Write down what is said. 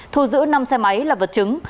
thu giữ năm xe máy là vật chứng